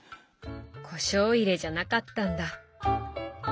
こしょう入れじゃなかったんだ。